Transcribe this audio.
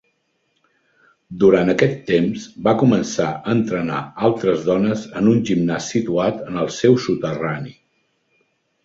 Durant aquest temps va començar a entrenar altres dones en un gimnàs situat en el seu soterrani.